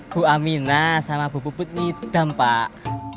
bu amina sama bu puput ini dam pak